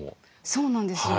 そうなんですよ。